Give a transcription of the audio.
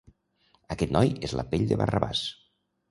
Aquest noi és la pell de Barrabàs.